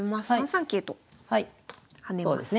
３三桂と跳ねます。